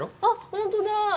本当だ。